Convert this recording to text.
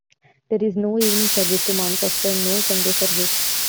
There is no evening service to Manchester and no Sunday service.